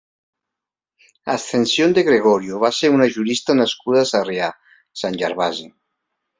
Ascensión de Gregorio va ser una jurista nascuda a Sarrià - Sant Gervasi.